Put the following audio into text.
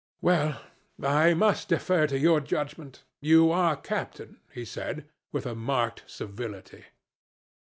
'Well, I must defer to your judgment. You are captain,' he said, with marked civility.